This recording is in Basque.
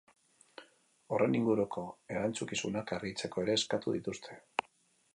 Horren inguruko erantzukizunak argitzeko ere eskatu dituzte.